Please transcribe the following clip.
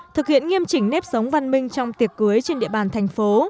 thực hiện nghiêm chỉnh nếp sống văn minh trong tiệc cưới trên địa bàn thành phố